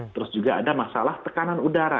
terus juga ada masalah tekanan udara